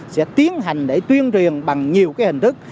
sẽ tiến hành để tuyên truyền bằng nhiều hình thức